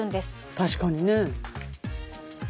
確かにねえ。